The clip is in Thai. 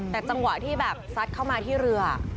แต่จังหวะที่แบบซัดเข้ามาที่เรือ